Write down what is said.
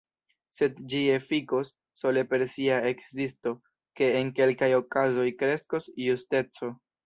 Sed ĝi efikos, sole per sia ekzisto, ke en kelkaj okazoj kreskos justeco.